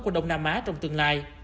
của đông nam á trong tương lai